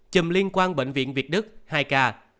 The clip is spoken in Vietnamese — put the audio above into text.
chùm liên quan bệnh viện việt đức hai ca